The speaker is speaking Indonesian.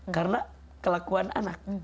karena kelakuan anak